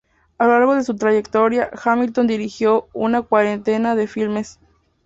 A lo largo de su trayectoria, Hamilton dirigió una cuarentena de filmes.